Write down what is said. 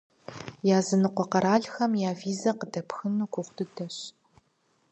Языныкъуэ къэралхэм я визэ къыдэпхыну гугъу дыдэщ.